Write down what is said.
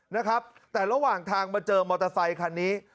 นะครับแต่ระหว่างทางมาเจอมอเตอร์ไซคันนี้